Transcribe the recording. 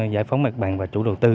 giải phóng mặt bằng và chủ đầu tư